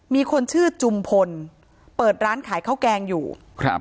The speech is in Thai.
มีคนชื่อจุมพลเปิดร้านขายข้าวแกงอยู่ครับ